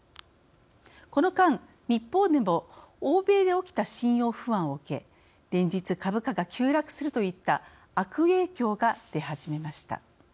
この間、日本でも欧米で起きた信用不安を受け連日、株価が急落するといった悪影響が出始めました。